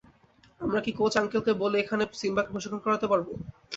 আমরা কি coach uncle কে বলে এখানে সিম্বাকে প্রশিক্ষণ করাতে পারব?